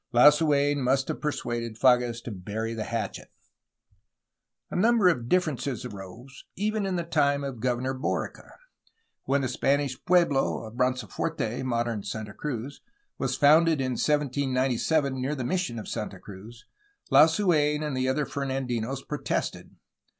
Lasuen must have persuaded Fages to bury the hatchet. A number of differences arose even in the time of Gov ernor Borica. When the Spanish pueblo of Branciforte 378 A HISTORY OF CALIFORNIA (modern Santa Cruz) was founded in 1797 near the mission of Santa Cruz, Lasu^n and the other Fernandinos protested.